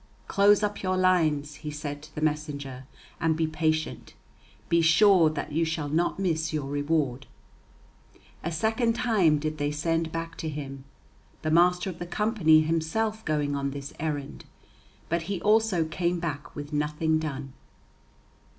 "Close up your lines," he said to the messenger, "and be patient. Be sure that you shall not miss your reward." A second time did they send to him, the Master of the Company himself going on the errand, but he also came back with nothing done.